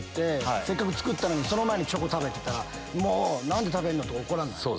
せっかく作ったのにその前にチョコ食べてたら何で食べるの！とか怒らない？